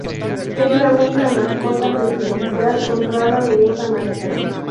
Es la única mascota presidencial honrada de esta manera.